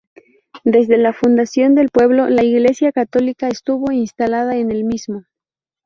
Desde la fundación del pueblo la Iglesia católica estuvo instalada en el mismo.